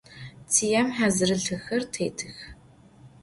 Цыем хьазырылъэхэр тетых.